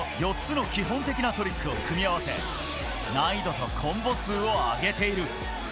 選手たちはこの４つの基本的なトリックを組み合わせ、難易度とコンボ数を上げている。